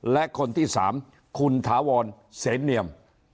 และคนที่๓คุณถาวรเสนเนียม